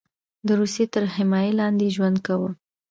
د روسیې تر حمایې لاندې ژوند کاوه.